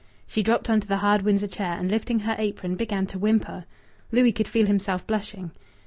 She dropped on to the hard Windsor chair, and, lifting her apron, began to whimper. Louis could feel himself blushing.